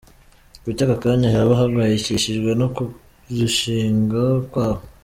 Kuki aka kanya yaba ahangayikishijwe no kurushinga kwa bo?.